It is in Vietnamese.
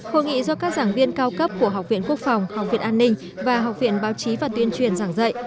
hội nghị do các giảng viên cao cấp của học viện quốc phòng học viện an ninh và học viện báo chí và tuyên truyền giảng dạy